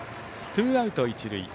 ツーアウト、一塁。